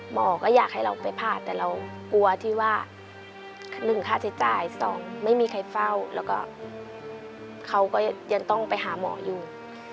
หมอก็อยากให้เราไปผ่าแต่เรากลัวที่ว่า๑ค่าใช้จ่าย๒ไม่มีใครเฝ้าแล้วก็เขาก็ยังต้องไปหาหมออยู่